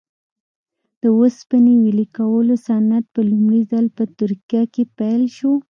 د اوسپنې ویلې کولو صنعت په لومړي ځل په ترکیه کې پیل شو.